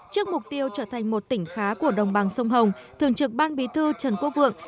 trước mục tiêu trở thành một tỉnh khá của đồng bằng sông hồng thường trực ban bí thư trần quốc vượng